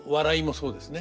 そうですね。